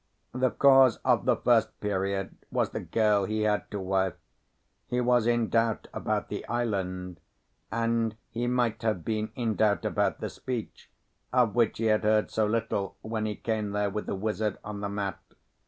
The cause of the first period was the girl he had to wife. He was in doubt about the island, and he might have been in doubt about the speech, of which he had heard so little when he came there with the wizard on the mat.